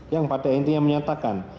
yang pada intinya menyatakan